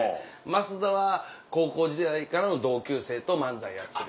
増田は高校時代からの同級生と漫才やってて。